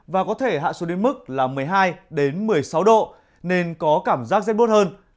và có thể hạ số đến mức là một mươi hai đến một mươi sáu độ nên có cảm giác rất bốt hơn